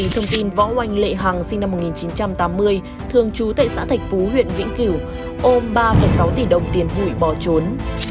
thông tin võ oanh lệ hằng sinh năm một nghìn chín trăm tám mươi thường trú tại xã thạch phú huyện vĩnh cửu ôm ba sáu tỷ đồng tiền gửi bỏ trốn